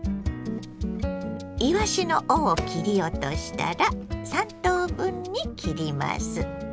いわしの尾を切り落としたら３等分に切ります。